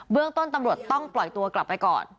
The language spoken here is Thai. เรื่องต้นตำรวจต้องปล่อยตัวกลับไปก่อน